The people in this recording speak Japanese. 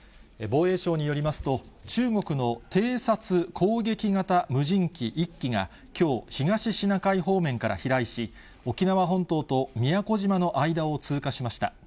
防衛省によりますと、中国の偵察・攻撃型無人機１機が、きょう、東シナ海方面から飛来し、沖縄本島と宮古島の間を通過しました。